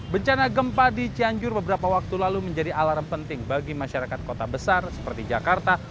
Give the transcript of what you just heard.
bencana gempa di cianjur beberapa waktu lalu menjadi alarm penting bagi masyarakat kota besar seperti jakarta